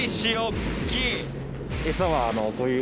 エサはこういう。